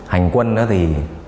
hành quân đó thì